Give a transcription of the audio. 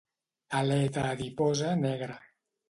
Aleta adiposa negra.